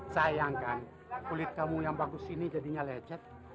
sayang kan kulit kamu yang bagus ini jadinya lecet